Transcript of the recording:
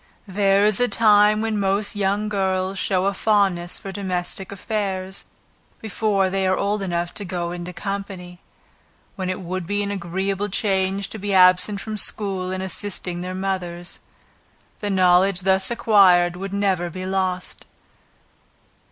There is a time when most young girls show a fondness for domestic affairs before they are old enough to go into company, when it would be an agreeable change to be absent from school and assisting their mothers; the knowledge thus acquired would never be lost.